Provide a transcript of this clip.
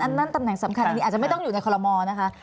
นั่นตำแหน่งสำคัญอันนี้อาจจะไม่ต้องอยู่ในคอลโมนะคะ